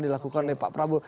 dilakukan oleh pak prabowo